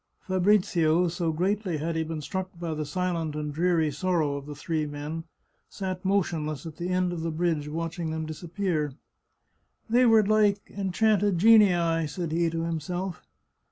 Fabrizio, so greatly had he been struck by the silent and dreary sorrow of the three men, sat motionless at the end of the bridge, watching them disappear. " They were like enchanted genii," said he to himself.